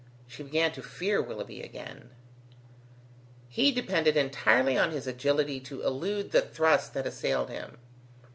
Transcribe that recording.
She began to fear Willoughby again. He depended entirely on his agility to elude the thrusts that assailed him.